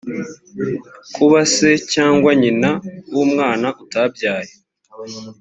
kuba se cyangwa nyina w’umwana utabyaye